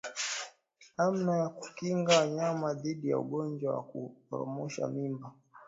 Namna ya kukinga wanyama dhidi ya ugonjwa wa kuporomosha mimba